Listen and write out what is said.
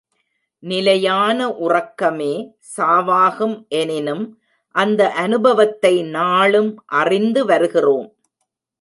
நிலையான உறக்கமே சாவாகும் எனினும் அந்த அனுபவத்தை நாளும் அறிந்துவருகிறோம்.